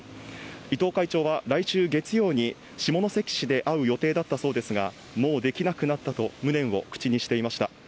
伊藤会長は来週月曜に下関にて会う予定だったそうですがもうできなくなったと無念を口にしていました。